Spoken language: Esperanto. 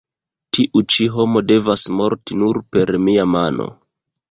Tiu ĉi homo devas morti nur per mia mano.